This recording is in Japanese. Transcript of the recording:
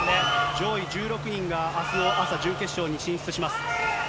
上位１６人があすの朝、準決勝に進出します。